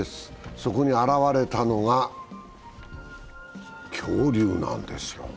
そこに現れたのが恐竜なんですよ。